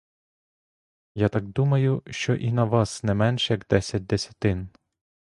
Я так думаю, що і на вас не менш як десять десятин?